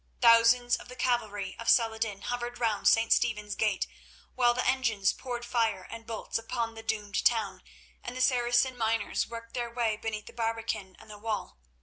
Thousands of the cavalry of Saladin hovered round St. Stephen's Gate, while the engines poured fire and bolts upon the doomed town, and the Saracen miners worked their way beneath the barbican and the wall.